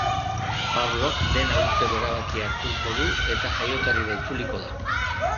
Pablok dena uzteko erabakia hartuko du eta jaioterrira itzuliko da.